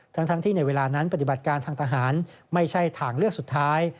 ทั้งที่ในเวลานั้นปฏิบัติการทางทหารไม่ใช่ทางเลือกสุดท้าย